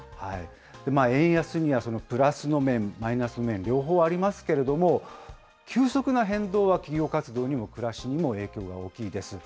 円安にはプラスの面、マイナスの面、両方ありますけれども、急速な変動は企業活動にも暮らしにも影響が大きいです。